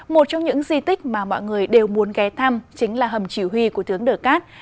một trong những di tích mà mọi người đều muốn ghé thăm chính là hầm chỉ huy của thướng đỡ cát